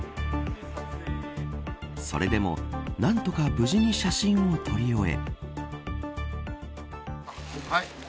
それでも何とか無事に写真を撮り終え。